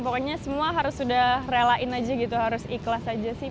pokoknya semua harus sudah relain aja gitu harus ikhlas aja sih